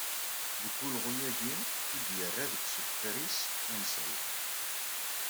Deg wulɣu-agi, i d-yerra deg usebter-is unṣib.